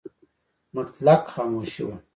مطلق خاموشي وه .